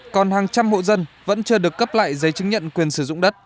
còn hàng trăm hộ dân vẫn chưa được cấp lại giấy chứng nhận quyền sử dụng đất